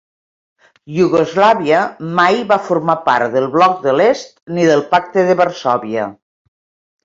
Iugoslàvia mai va formar part del Bloc de l'Est ni del Pacte de Varsòvia.